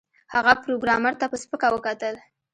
هغه پروګرامر ته په سپکه وکتل